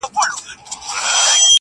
o پدرلعنته حادثه ده او څه ستا ياد دی.